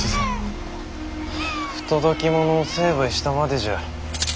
不届き者を成敗したまでじゃ。